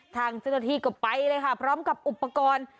ทางเจ้าหน้าที่ก็ไปเลยค่ะพร้อมกับอุปกรณ์